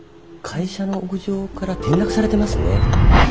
会社の屋上から転落されてますね。